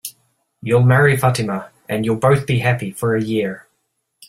You'll marry Fatima, and you'll both be happy for a year.